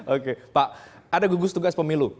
oke pak ada gugus tugas pemilu